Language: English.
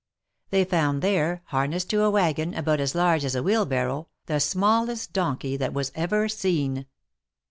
They found there, harnessed to a wagon about as large as a wheelbarrow, the smallest donkey that was ever seen.